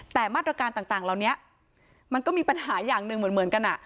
แต่มาตรการต่างเหล่านี้มันก็มีปัญหาอย่างหนึ่งเหมือนกัน